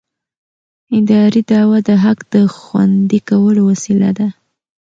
اداري دعوه د حق د خوندي کولو وسیله ده.